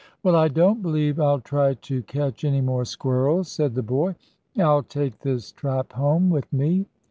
"Well, I don't believe I'll try to catch any more squirrels," said the boy. "I'll take this trap home with me."